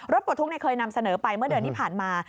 ปลดทุกข์เคยนำเสนอไปเมื่อเดือนที่ผ่านมา